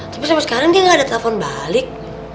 tapi sampai sekarang dia nggak ada telepon balik